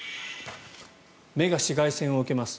目が紫外線を受けます。